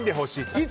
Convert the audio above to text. いつ？